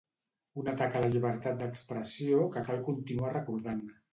Un atac a la llibertat d'expressió que cal continuar recordant.